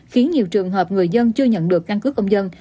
khiến nhiều trường hợp người dân chưa nhận được căn cứ công dân